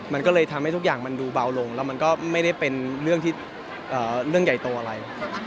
มันก็เลยทำให้ทุกอย่างมันดูเบาลงแล้วมันก็ไม่ได้เป็นเรื่องที่เรื่องใหญ่โตอะไร